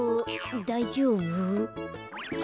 だいじょうぶ？